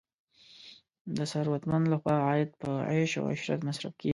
د ثروتمندو لخوا عاید په عیش او عشرت مصرف کیږي.